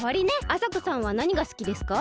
あさこさんはなにがすきですか？